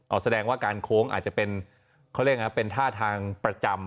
เอาแสดงว่าการโค้งอาจจะเป็นเขาเรียกว่าเป็นท่าทางประจำ